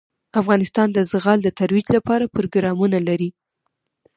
افغانستان د زغال د ترویج لپاره پروګرامونه لري.